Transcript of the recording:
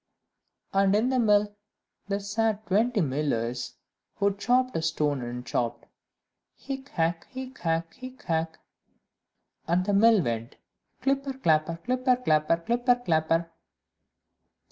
And in the mill there sat twenty millers, who chopped a stone, and chopped, "Hick, hack, hick, hack, hick, hack;" and the mill went, "Clipper, clapper, clipper, clapper, clipper, clapper."